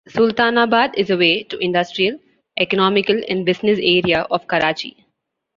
Sultanabad is a way to industrial, economical and business area of Karachi.